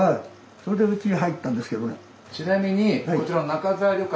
それでうちに入ったんですけどね。